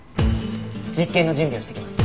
実験の準備をしてきます。